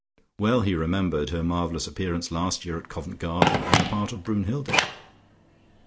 Well he remembered her marvellous appearance last year at Covent Garden in the part of Brunnhilde.